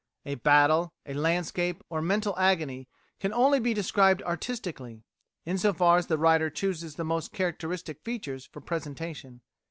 A battle, a landscape, or a mental agony, can only be described artistically, in so far as the writer chooses the most characteristic features for presentation.